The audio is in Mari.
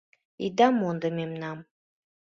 Ида мондо мемнам...